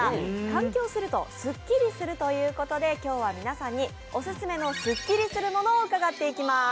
換気をするとすっきりするということで今日は皆さんにオススメのスッキリするものを伺っていきます。